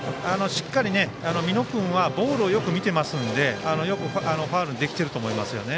しっかり美濃君はボールをよく見ていますのでよくファウルにできていると思いますね。